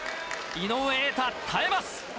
井上瑛太耐えます。